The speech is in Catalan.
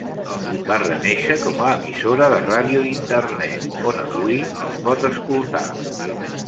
Va renéixer com a emissora de ràdio d'Internet, on avui es pot escoltar.